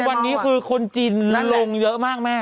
วันนี้คือคนจีนและลงเยอะมากแม่